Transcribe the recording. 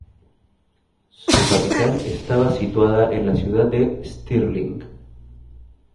Su capital estaba situada en la ciudad de Stirling.